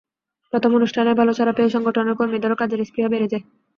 প্রথম অনুষ্ঠানেই ভালো সাড়া পেয়ে সংগঠনের কর্মীদেরও কাজের স্পৃহা বেড়ে যায়।